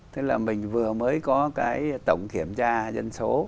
thế là mình vừa mới có cái tổng kiểm tra